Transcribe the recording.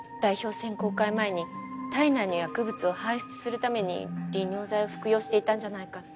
選考会前に体内の薬物を排出するために利尿剤を服用していたんじゃないかって。